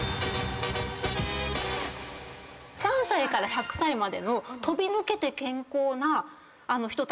３歳から１００歳までの飛び抜けて健康な人たち。